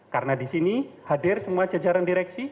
karena di sini hadir semua jajaran direksi